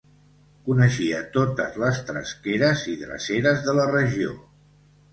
Coneixia totes les tresqueres i dreceres de la regió.